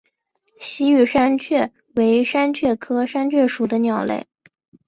西域山雀为山雀科山雀属的鸟类。